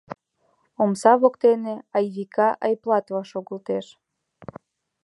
Омса воктене Айвика Айплатова шогылтеш.